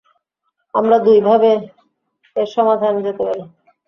আমরা দুই ভাবে এর সমাধানে যেতে পারি।